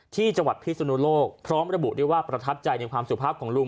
ที่จังหวัดพิศนุโลกพร้อมระบุด้วยว่าประทับใจในความสุภาพของลุง